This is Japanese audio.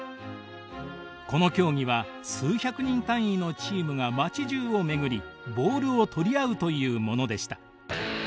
この競技は数百人単位のチームが街じゅうを巡りボールを取り合うというものでした。